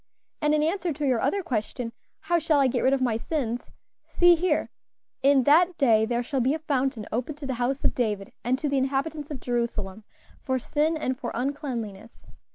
"And in answer to your other question, 'How shall I get rid of my sins?' see here: 'In that day there shall be a fountain opened to the house of David and to the inhabitants of Jerusalem for sin and for uncleanliness.'